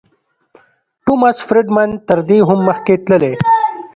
ټوماس فریډمن تر دې هم مخکې تللی.